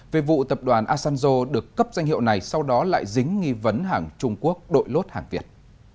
về vụ tập đoàn asanjo được cấp danh hiệu này sau đó lại dính nghi vấn hàng trung quốc đội lốt hàng việt